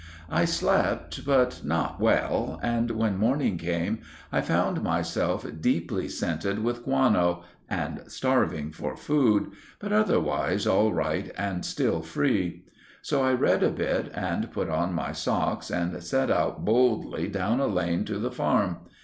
I slept, but not well, and when morning came I found myself deeply scented with guano and starving for food, but otherwise all right and still free. So I read a bit, and put on my socks, and set out boldly down a lane to the farm.